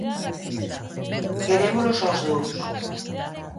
Querémolos ós dous.